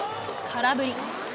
空振り。